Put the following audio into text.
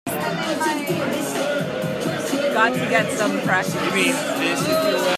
Got to get some practice.